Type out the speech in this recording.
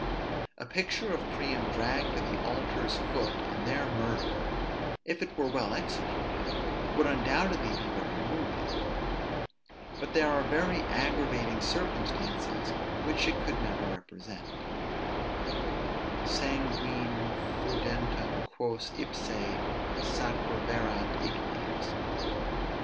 A picture of Priam dragged to the altar's foot, and there murdered, if it were well executed, would undoubtedly be very moving; but there are very aggravating circumstances, which it could never represent: Sanguine foedantem quos ipse sacraverat ignes.